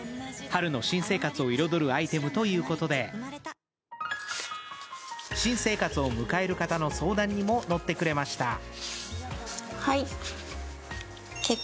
春の新生活を彩るアイテムということで新生活を迎える方の相談にも乗ってくれました。